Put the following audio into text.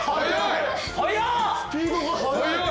スピードが速い。